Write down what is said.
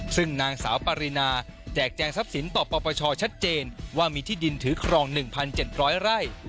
ซึ่งนางสาวปรินาแจกแจงทรัพย์สินต่อปปชชัดเจนว่ามีที่ดินถือครอง๑๗๐๐ไร่